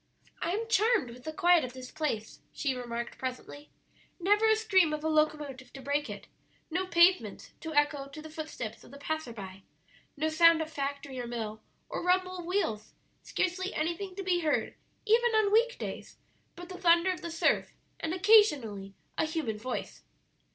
"I am charmed with the quiet of this place," she remarked presently; "never a scream of a locomotive to break it, no pavements to echo to the footsteps of the passer by, no sound of factory or mill, or rumble of wheels, scarcely anything to be heard, even on week days, but the thunder of the surf and occasionally a human voice."